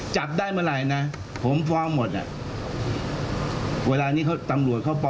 ฉันอยากยุ่งกับใครก็ได้